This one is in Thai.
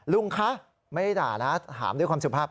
ลุงคะไม่ได้ด่านะถามด้วยความสุภาพ